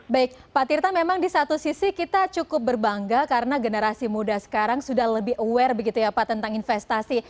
baik pak tirta memang di satu sisi kita cukup berbangga karena generasi muda sekarang sudah lebih aware begitu ya pak tentang investasi